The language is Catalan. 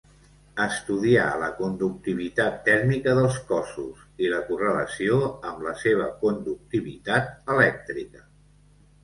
Estudià la conductivitat tèrmica dels cossos i la correlació amb la seva conductivitat elèctrica.